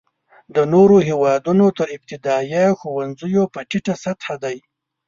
د نورو هېوادونو تر ابتدایه ښوونځیو په ټیټه سطحه دی.